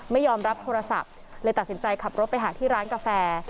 ไม่ยอมรับโทรศัพท์เลยตัดสินใจขับรถไปหาที่ร้านกาแฟ